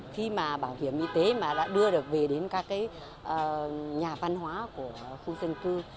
khi mà bảo hiểm y tế mà đã đưa được về đến các cái nhà văn hóa của khu dân cư